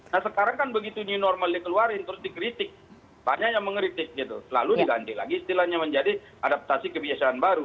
nah sekarang kan begitu new normal dikeluarin terus dikritik banyak yang mengkritik gitu selalu diganti lagi istilahnya menjadi adaptasi kebiasaan baru